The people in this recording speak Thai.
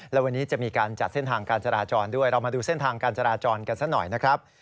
และวันนี้จะมีการจัดเส้นทางการจราจรด้วยเรามาดูเส้นทางการจราจรกันซะหน่อยนะครับ